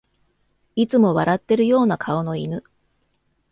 いつも笑ってるような顔の犬